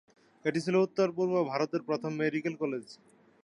এটি ছিল উত্তর-পূর্ব ভারতের প্রথম মেডিকেল কলেজ।